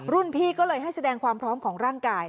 พี่ก็เลยให้แสดงความพร้อมของร่างกาย